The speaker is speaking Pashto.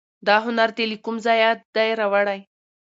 دا هنر دي له کوم ځایه دی راوړی